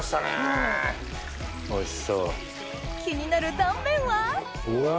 気になる断面はうお！